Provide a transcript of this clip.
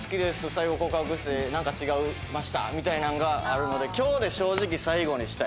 最後告白して「なんか違いました」みたいなのがあるので今日で正直最後にしたい！